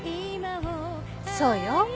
そうよ。